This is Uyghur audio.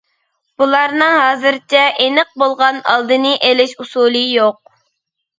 بۇلارنىڭ ھازىرچە ئېنىق بولغان ئالدىنى ئېلىش ئۇسۇلى يوق.